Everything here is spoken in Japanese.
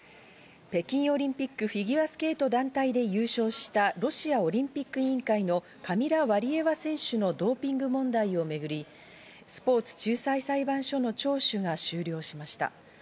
北京オリンピックフィギアスケート団体で優勝したロシアオリンピック委員会のカミラ・ワリエワ選手のドーピング問題をめぐり、スポーツ仲裁裁判所の聴取が終了しました。